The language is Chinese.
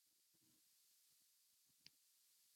本为太常寺的工人。